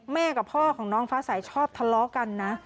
แม่กับพ่อของน้องฟ้าสายชอบทะเลาะกันนะ